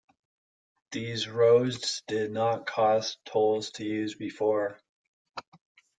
These roads did not cost tolls to use before.